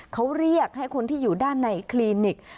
เขาเรียกให้คนที่อยู่ด้านในคลินิก